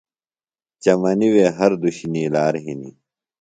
چمنیۡ وے ہر دُشیۡ نِیلار ہِنیۡ۔